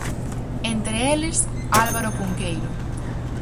Entre eles, Álvaro Cunqueiro.